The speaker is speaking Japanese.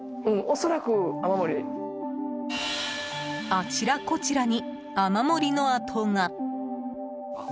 あちらこちらに雨漏りの跡が。